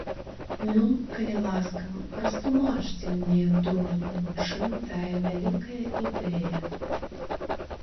Ну, калі ласка, растлумачце, мне, дурню, у чым тая вялікая ідэя.